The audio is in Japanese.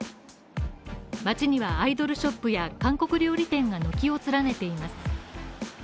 街にはアイドルショップや韓国料理店が軒を連ねています。